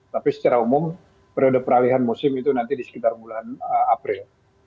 tapi secara umum periode peralihan musim itu nanti di sekitar bulan april